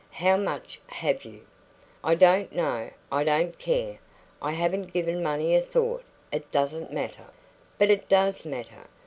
How much have you?" "I don't know. I don't care. I haven't given money a thought. It doesn't matter." "But it does matter.